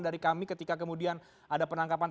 dari kami ketika kemudian ada penangkapan